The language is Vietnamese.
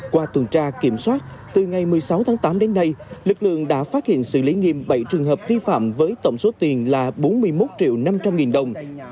qua tuần tra kiểm soát từ ngày một mươi sáu tháng tám đến nay lực lượng đã phát hiện xử lý nghiêm bảy trường hợp vi phạm với tổng số tiền là bốn mươi một triệu năm trăm linh nghìn đồng